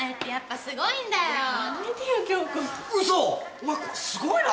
お前これすごいな。